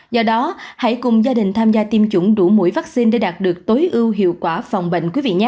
do đó hãy cùng gia đình tham gia tiêm chủng đủ mũi vaccine để đạt được tối ưu hiệu quả phòng bệnh